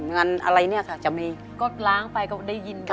เงินอะไรเนี่ยค่ะจะมีก็ล้างไปก็ได้ยินกัน